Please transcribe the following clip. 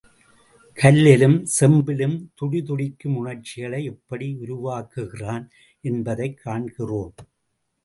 கல்லிலும், செம்பிலும் துடிதுடிக்கும் உணர்ச்சிகளை எப்படி உருவாக்குகிறான் என்பதை காண்கிறோம்.